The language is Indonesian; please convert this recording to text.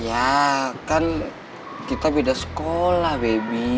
ya kan kita beda sekolah baby